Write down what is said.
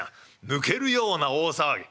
抜けるような大騒ぎ。